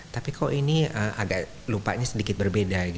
tapi kok ini agak lupanya sedikit berbeda